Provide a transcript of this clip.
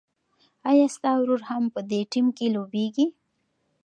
ایا ستا ورور هم په دې ټیم کې لوبېږي؟